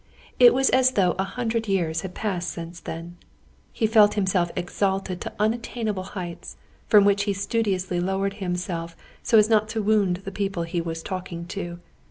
It was as though a hundred years had passed since then. He felt himself exalted to unattainable heights, from which he studiously lowered himself so as not to wound the people he was talking to.